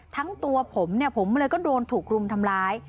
ทั้งตัวผมเนี่ยผมเลยก็โดนถูกรุมทำร้าย